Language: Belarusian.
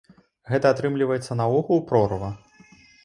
Гэта, атрымліваецца, наогул прорва?